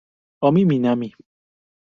Omi Minami